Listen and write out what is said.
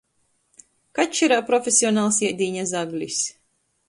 Kačs irā profesionals iedīņa zaglis.